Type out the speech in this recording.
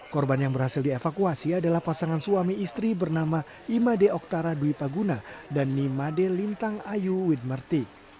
korban yang berhasil dievakuasi adalah pasangan suami istri bernama imade oktara dwi paguna dan nimade lintang ayu widmerti